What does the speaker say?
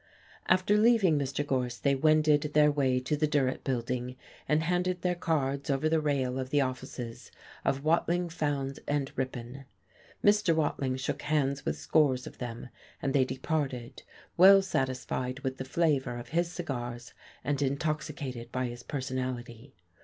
After leaving Mr. Gorse they wended their way to the Durrett Building and handed their cards over the rail of the offices of Watling, Fowndes and Ripon. Mr. Watling shook hands with scores of them, and they departed, well satisfied with the flavour of his cigars and intoxicated by his personality.